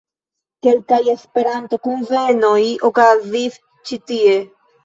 Kelkaj Esperanto-kunvenoj okazis ĉi tie.